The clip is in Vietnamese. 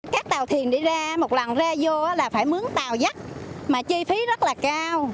các tàu thuyền đi ra một lần ra vô là phải mướn tàu dắt mà chi phí rất là cao